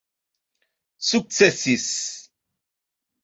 sukcesis